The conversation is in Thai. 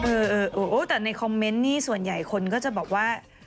เออแต่ในคอมเมนต์นี่ส่วนใหญ่คนก็จะบอกว่า